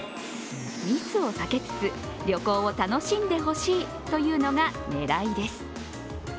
密を避けつつ旅行を楽しんでほしいというのが狙いです。